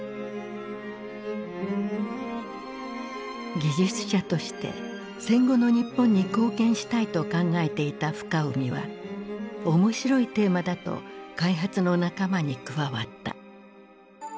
技術者として戦後の日本に貢献したいと考えていた深海は面白いテーマだと開発の仲間に加わった。